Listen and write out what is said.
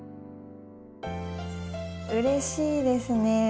うれしいですね。